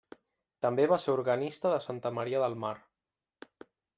També va ser organista de Santa Maria del Mar.